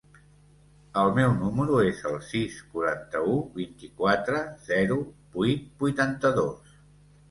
El meu número es el sis, quaranta-u, vint-i-quatre, zero, vuit, vuitanta-dos.